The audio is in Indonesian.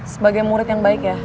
sebagai murid yang baik ya